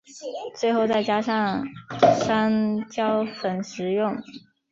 最后再加上山椒粉食用。